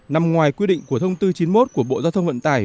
nằm ngoài quy định của thông tư chín mươi một của bộ giao thông vận tải